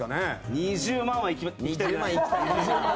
２０万はいきたい。